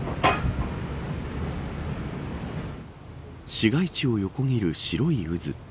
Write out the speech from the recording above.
市街地を横切る白い渦。